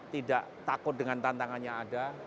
tidak takut dengan tantangannya ada